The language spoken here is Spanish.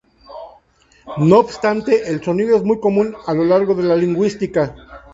No obstante, el sonido es muy común a lo largo de la lingüística.